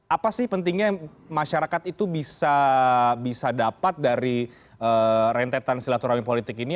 apa sih pentingnya masyarakat itu bisa dapat dari rentetan silaturahmi politik ini